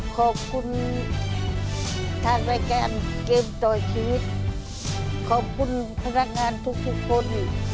ขอบคุณทางรายการเกมต่อชีวิตขอบคุณพนักงานทุกคน